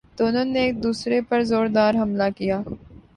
دونوں نے ایک دوسرے پرزوردار حملہ کیا